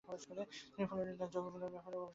তিনি ফ্লোরিনের যৌগগুলির ব্যাপারে গবেষণাকাজ শুরু করেন।